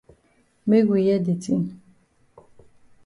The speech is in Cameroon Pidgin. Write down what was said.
Make we hear de tin.